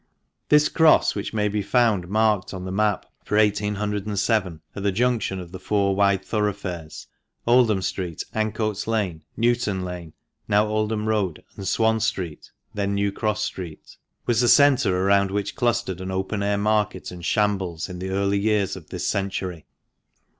— This Cross, which may be found marked on the map for 1807. at the junction of the four wide thoroughfares Oldham Street, FINAL APPENDIX. 473 Ancoats Lane, Newton Lane (now Oldham Road), and Swan Street (then New Cross Street)— was the centre round which clustered an open air market and shambles in the early years of this century.